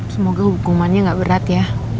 semoga hukumannya nggak berat ya